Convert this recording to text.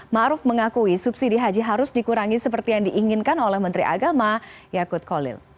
⁇ maruf ⁇ mengakui subsidi haji harus dikurangi seperti yang diinginkan oleh menteri agama yakut kolil